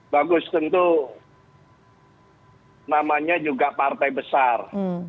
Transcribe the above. bagus tentu namanya juga partai besar